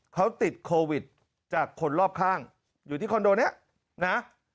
เขาติดโควิดจากคนรอบข้างอยู่ที่คอนโดนี้นะ